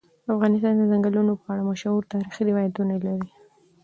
افغانستان د ځنګلونه په اړه مشهور تاریخی روایتونه لري.